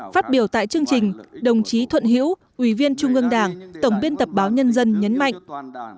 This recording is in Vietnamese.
phát biểu tại chương trình đồng chí thuận hiễu ủy viên trung ương đảng tổng biên tập báo nhân dân nhấn mạnh